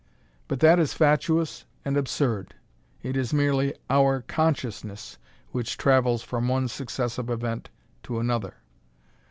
But that is fatuous and absurd. It is merely our consciousness which travels from one successive event to another.